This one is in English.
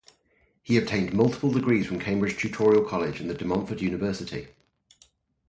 He obtained multiple degrees from Cambridge Tutorial College and the De Montfort University.